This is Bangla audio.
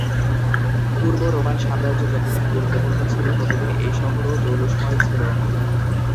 পূর্ব রোমান সাম্রাজ্য যতদিন গুরুত্বপূর্ণ ছিল ততদিন এই শহরও জৌলুশময় ছিল।